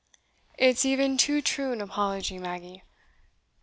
"It's even too true an apology, Maggie.